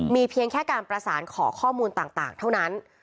มีเพียงแค่การประสานขอข้อมูลต่างเท่านั้น